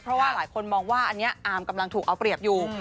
เพราะว่าหลายคนมองว่าอันนี้อาร์มกำลังถูกเอาเปรียบอยู่